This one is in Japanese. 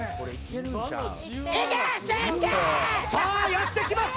やってきました、